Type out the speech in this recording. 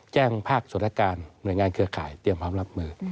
ภาคส่วนการหน่วยงานเครือข่ายเตรียมความรับมือ